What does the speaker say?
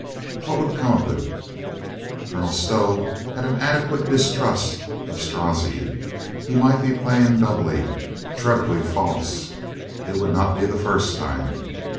What would come of it? Colonel Stow had an adequate distrust of Strozzi. He might be playing doubly, trebly false. It would not be the first time.